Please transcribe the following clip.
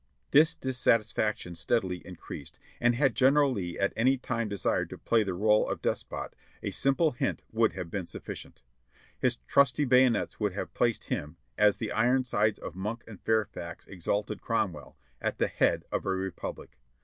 This dissatisfaction stead ily increased, and had General Lee at any time desired to play the role of despot, a simple hint would have been sufficient. His trusty bayonets would have placed him, as the Ironsides of Monk and Fairfax exalted Cromwell, at the head of a Republic.